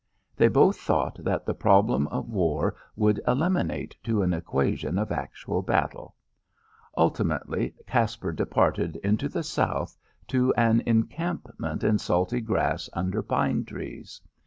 They both thought that the problem of war would eliminate to an equation of actual battle. Ultimately Caspar departed into the South to an encampment in salty grass under pine trees.